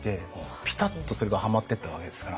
ピタッとそれがハマってったわけですから。